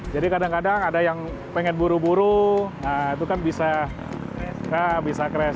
jadi kadang kadang ada yang pengen buru buru nah itu kan bisa crash